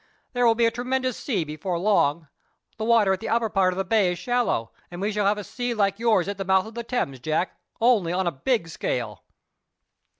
There will be a tremendous sea before long. The water at the upper part of the bay is shallow, and we shall have a sea like yours at the mouth of the Thames, Jack,—only on a big scale.